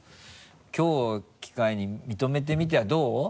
きょうを機会に認めてみてはどう？